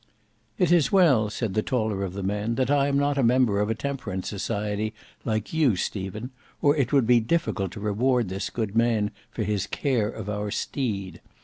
"It is well," said the taller of the men "that I am not a member of a temperance society like you, Stephen, or it would be difficult to reward this good man for his care of our steed.